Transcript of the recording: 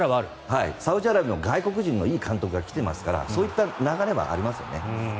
サウジアラビアも外国人のいい監督が来ていますからそういった流れはありますよね。